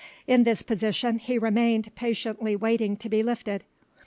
In this position he remained patiently waiting to be lifted.